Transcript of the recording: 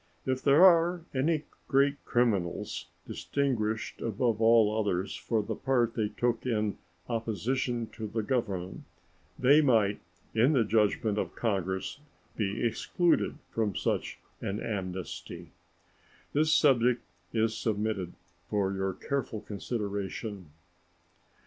If there are any great criminals, distinguished above all others for the part they took in opposition to the Government, they might, in the judgment of Congress, be excluded from such an amnesty. This subject is submitted for your careful consideration.